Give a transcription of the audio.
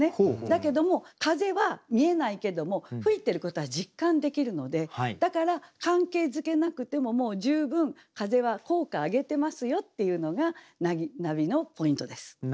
だけども風は見えないけども吹いてることは実感できるのでだから関係づけなくても十分風は効果上げてますよっていうのがナビのポイントです。